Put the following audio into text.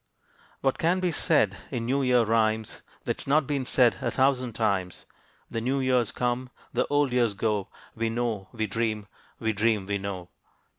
What can be said in New Year rhymes, That's not been said a thousand times? The new years come, the old years go, We know we dream, we dream we know.